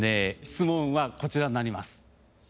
質問はこちらになります。